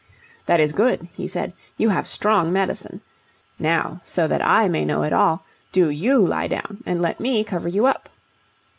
"That is good," he said. "You have strong medicine. Now, so that I may know it all, do you lie down and let me cover you up."